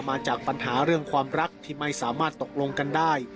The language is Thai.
มาจากปัญหาเรื่องความรักที่ไม่สามารถตกลงกันได้